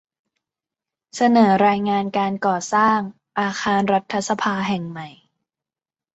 เสนอรายงานการก่อสร้างอาคารรัฐสภาแห่งใหม่